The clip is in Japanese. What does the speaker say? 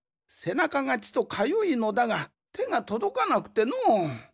せなかがちとかゆいのだがてがとどかなくてのう。